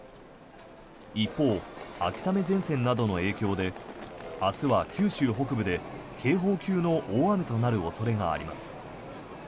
一方、秋雨前線などの影響で明日は九州北部で警報級の大雨となる恐れがあります。